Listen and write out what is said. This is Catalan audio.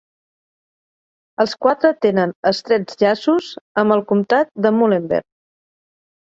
Els quatre tenen estrets llaços amb el comtat de Muhlenberg.